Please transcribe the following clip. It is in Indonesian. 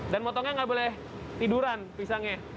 dan motongnya nggak boleh tiduran pisangnya